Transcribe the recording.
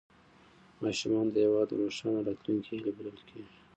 ماشومان د هېواد د روښانه راتلونکي هیله بلل کېږي